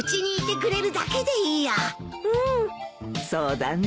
そうだね。